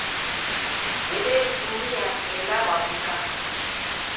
Wedezimia ela waw'uka.